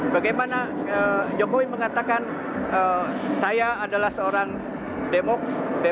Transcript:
bagaimana jokowi mengatakan saya adalah seorang demokrat